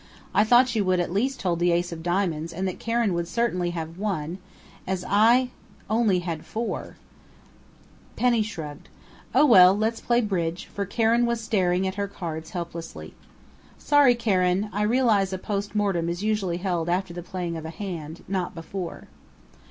I thought you would at least hold the Ace of Diamonds and that Karen would certainly have one, as I only had four " Penny shrugged. "Oh, well! Let's play bridge!" for Karen was staring at her cards helplessly. "Sorry, Karen! I realize a post mortem is usually held after the playing of a hand not before."